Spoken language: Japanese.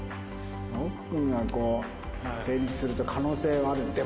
奥君がこう成立すると可能性はある。